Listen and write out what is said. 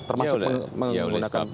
termasuk menggunakan undang undang yang lama